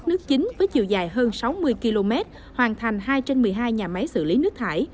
nước chính với chiều dài hơn sáu mươi km hoàn thành hai trên một mươi hai nhà máy xử lý nước thải